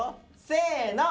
せの。